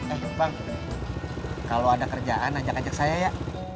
eh jepang kalau ada kerjaan ajak ajak saya ya